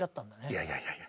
いやいやいやいや。